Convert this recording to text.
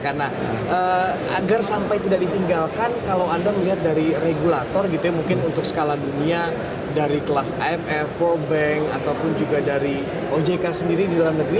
karena agar sampai tidak ditinggalkan kalau anda melihat dari regulator gitu ya mungkin untuk skala dunia dari kelas aff world bank ataupun juga dari ojk sendiri di dalam negeri